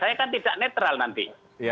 saya kan tidak netral nanti